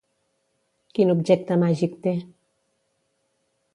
Quin objecte màgic té?